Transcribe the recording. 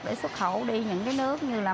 để xuất khẩu đi những cái nước như là